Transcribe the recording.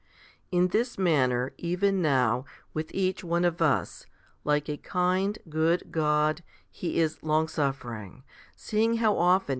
21. In this manner, even now, with each one of us, like a kind, good God, He is longsuffering, seeing how often 1 Rom.